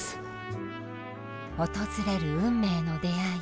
訪れる運命の出会い。